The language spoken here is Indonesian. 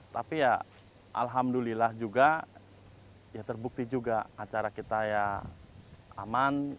tapi ya alhamdulillah juga ya terbukti juga acara kita ya aman